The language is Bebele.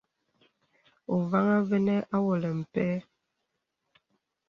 Ôvaŋha vənə àwōlə̀ mpə̀.